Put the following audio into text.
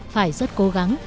phải rất cố gắng